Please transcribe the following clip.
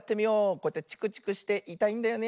こうやってチクチクしていたいんだよね。